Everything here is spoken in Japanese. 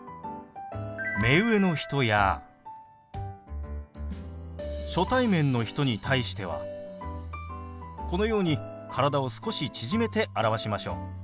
目上の人や初対面の人に対してはこのように体を少し縮めて表しましょう。